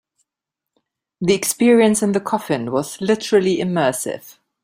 The experience in the coffin was literally immersive.